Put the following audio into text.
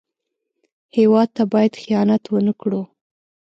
هېواد ته باید خیانت ونه کړو